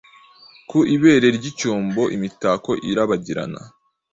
Ku ibere ryicyombo imitako irabagirana